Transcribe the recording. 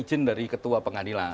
ijin dari ketua pengadilan